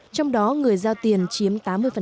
trong đó người giao tiền chiếm tám mươi